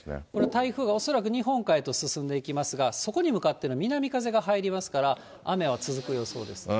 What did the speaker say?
台風が恐らく日本海へと進んでいきますが、そこに向かって南風が入りますから、雨は続く予想です。